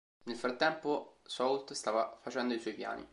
Nel frattempo Soult stava facendo i suoi piani.